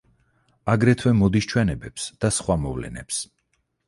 აგრეთვე მოდის ჩვენებებს და სხვა მოვლენებს.